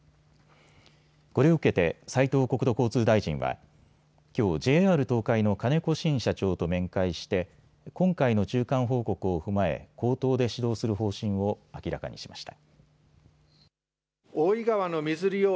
これを受けて斉藤国土交通大臣はきょうＪＲ東海の金子慎社長と面会して今回の中間報告を踏まえ口頭で指導する方針を明らかにしました。